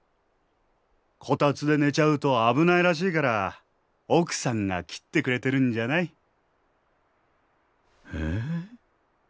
こたつで寝ちゃうと危ないらしいから奥さんが切ってくれてるんじゃない？え？